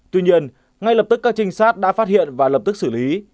tuy nhiên ngay lập tức các trinh sát đã phát hiện và lập tức xử lý